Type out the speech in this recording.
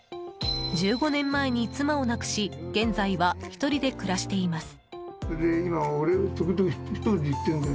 １５年前に妻を亡くし現在は１人で暮らしています。